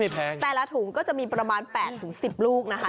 แต่ละถุงก็จะมีประมาณ๘๑๐ลูกนะคะ